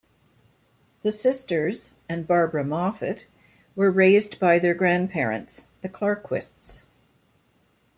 The sisters, and Barbara Moffett, were raised by their grandparents, the Klarquists.